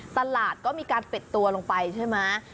ตลาดก็มีการปิดตัวลงไปใช่ไหม